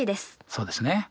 そうですね。